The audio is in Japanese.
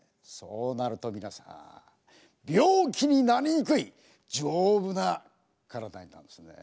そうなると皆さん病気になりにくい丈夫な体になるんですね。